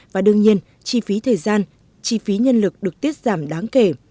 và đương nhiên chi phí thời gian chi phí nhân lực được tiết giảm đáng kể